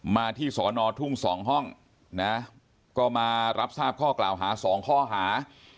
มาที่สอนอทุ่ง๒ห้องนะก็มารับทราบข้อกล่าวหา๒ข้อหา